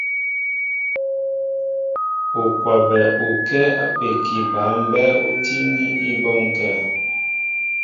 U kwabɛ ukɛ́ɛ́ ápeki ba mbɛ́ɛ́ ú tíní í bɔ́ŋkɛ̄.